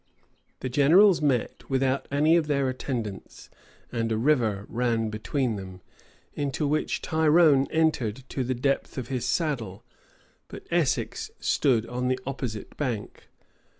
The generals met without any of their attendants; and a river ran between them, into which Tyrone entered to the depth of his saddle; but Essex stood on the opposite bank.